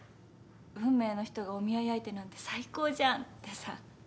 運命の人がお見合い相手なんて最高じゃんってさ。